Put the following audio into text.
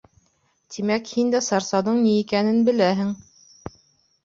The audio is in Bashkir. Тимәк һин дә сарсауҙың ни икәнен беләһең?